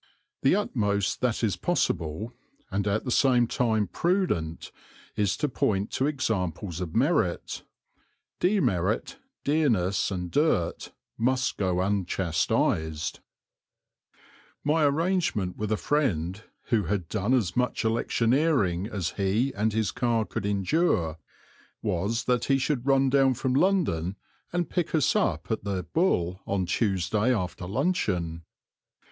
The utmost that is possible, and at the same time prudent, is to point to examples of merit. Demerit, dearness, and dirt must go unchastised. [Illustration: CAMBRIDGE KING'S COLLEGE AND THE CAM] My arrangement with a friend, who had done as much electioneering as he and his car could endure, was that he should run down from London and pick us up at the "Bull" on Tuesday after luncheon.